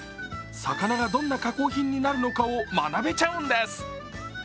魚がどんな加工品になるかを学べちゃうんです。